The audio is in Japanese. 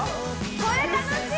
これ楽しい！